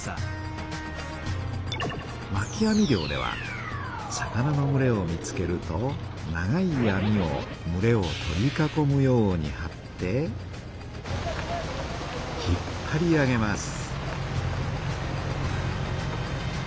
まき網漁では魚のむれを見つけると長い網をむれを取り囲むようにはって引っぱり上げます。